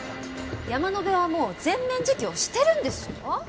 山野辺はもう全面自供してるんですよ？